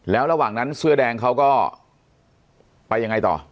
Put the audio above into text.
แล้วระหว่างนั้นเสื้อแดงเขาก็ไปยังไงต่อ